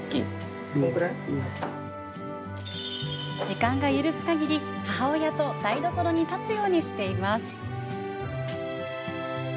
時間が許すかぎり、母親と台所に立つようにしています。